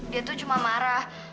dia tuh cuma marah